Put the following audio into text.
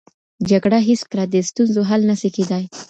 جګړه هېڅکله د ستونزو حل نه سي کېدای.